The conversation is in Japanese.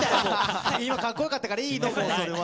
今、かっこよかったからいいの、もうそれは。